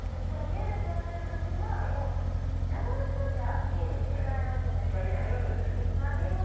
じゃあ家で育てる時はもう遮断しなきゃいけないわけですね。